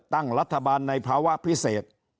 ตั้งรัฐบาลในภาวะพิเศษ